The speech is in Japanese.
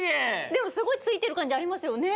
でもすごいついてるかんじありますよね。